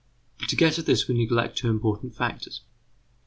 But to get at this result we neglect two important factors.